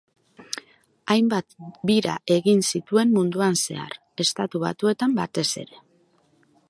Hainbat bira egin zituen munduan zehar, Estatu Batuetan, batez ere.